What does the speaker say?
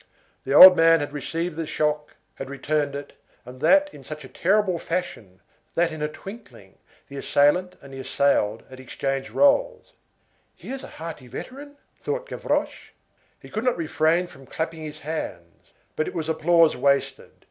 The old man had received the shock, had returned it, and that in such a terrible fashion, that in a twinkling, the assailant and the assailed had exchanged rôles. "Here's a hearty veteran!" thought Gavroche. He could not refrain from clapping his hands. But it was applause wasted.